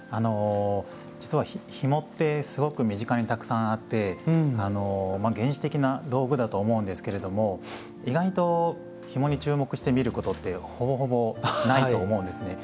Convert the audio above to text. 実はひもってすごく身近にたくさんあって原始的な道具だと思うんですけれども意外とひもに注目してみることってほぼほぼないと思うんですね。